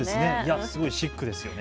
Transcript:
すごいシックですよね。